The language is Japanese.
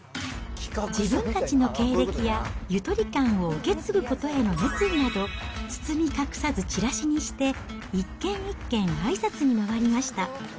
自分たちの経歴や、ゆとり館を受け継ぐことへの熱意など、包み隠さずチラシにして、一軒一軒あいさつに回りました。